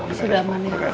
sudah aman ya